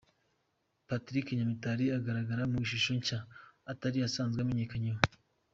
Patrick Nyamitari agaragara mu ishusho nshya atari asanzwe amenyereweho.